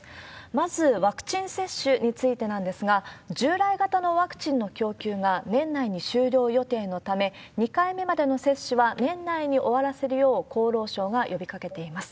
まず、ワクチン接種についてなんですが、従来型のワクチンの供給が年内に終了予定のため、２回目までの接種は年内に終わらせるよう、厚労省が呼びかけています。